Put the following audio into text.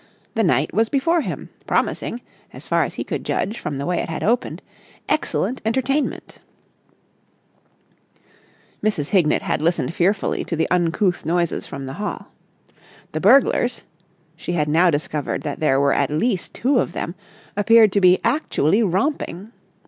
The night was before him, promising, as far as he could judge from the way it had opened, excellent entertainment. Mrs. Hignett had listened fearfully to the uncouth noises from the hall. The burglars—she had now discovered that there were at least two of them—appeared to be actually romping.